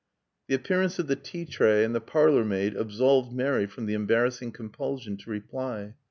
The appearance of the tea tray and the parlormaid absolved Mary from the embarrassing compulsion to reply.